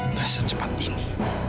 tidak secepat ini